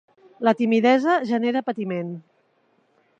La timidesa genera patiment.